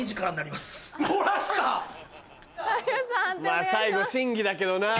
まぁ最後審議だけどなぁ。